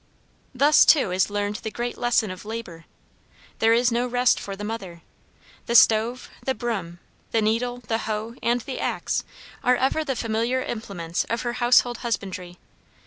Thus, too, is learned the great lesson of labor. There is no rest for the mother. The stove, the broom, the needle, the hoe, and the axe are ever the familiar implements of her household husbandry.